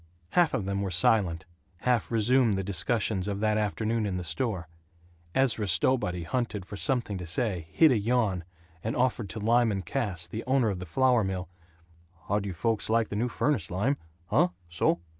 Half of them were silent; half resumed the discussions of that afternoon in the store. Ezra Stowbody hunted for something to say, hid a yawn, and offered to Lyman Cass, the owner of the flour mill, "How d' you folks like the new furnace, Lym? Huh? So."